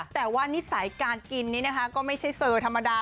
แต่ว่านิสัยการกินนี้นะคะก็ไม่ใช่เซอร์ธรรมดา